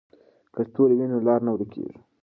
که ستوري وي نو لار نه ورکېږي.